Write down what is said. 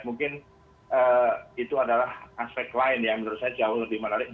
mungkin itu adalah aspek lain yang menurut saya jauh lebih menarik